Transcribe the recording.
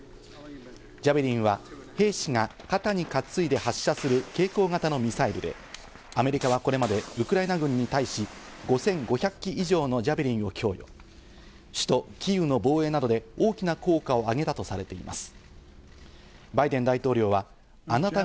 ジャベリンは兵士が肩に担いで発射する携行型のミサイルで、アメリカはこれまでウクライナ軍に対し５５００基以上のジャベリンを供与、首都キーウの防衛などで大きな効果もあげたとされています。